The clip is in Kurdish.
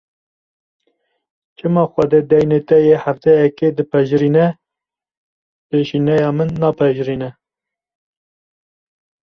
Çima Xwedê deynê te yê hefteyekê dipejirîne, pêşîneya min napejirîne!